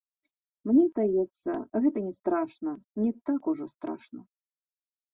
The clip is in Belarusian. Мне здаецца, гэта не страшна, не так ужо страшна.